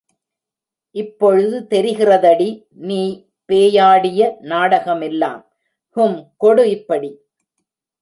இப்பொழுது தெரிகிறதடி நீ பேயாடிய நாடகமெல்லாம், ஹும் கொடு இப்படி.